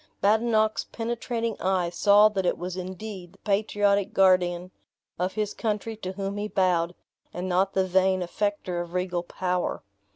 Badenoch's penetrating eye saw that it was indeed the patriotic guardian of his country to whom he bowed, and not the vain affector of regal power.